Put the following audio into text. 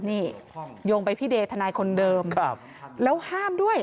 นี่โยงไปพี่เดย์ทนายคนเดิมแล้วห้ามด้วย